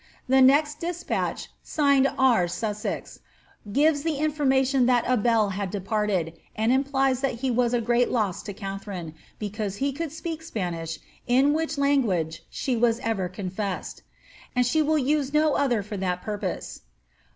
The next despatch, signed R. Sussex, gives the information that Abell had departed, and implies that he was a great loss to Katharine, because he could speak Spanish, in which language she was ever confessed, ^ and she will use no other for that purpose."